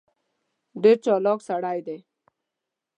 ډېر چالاک سړی دی.